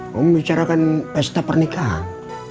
ngomong bicarakan pesta pernikahan